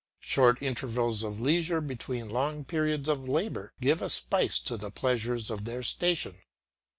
Short intervals of leisure between long periods of labour give a spice to the pleasures of their station.